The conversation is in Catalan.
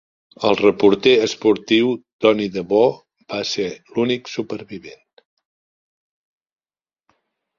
El reporter esportiu Tony Debo va ser l'únic supervivent.